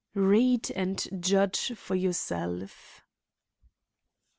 Read, and judge for yourself.